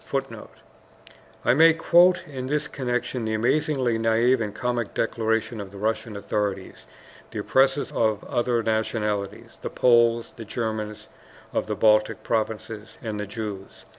[Footnote: I may quote in this connection the amazingly naive and comic declaration of the Russian authorities, the oppressors of other nationalities the Poles, the Germans of the Baltic provinces, and the Jews.